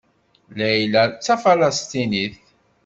Layla d Tafalesṭinit.